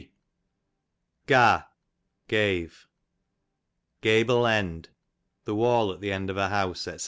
85 G Ga, gave. Gable end, the xvall at the end of a house, So.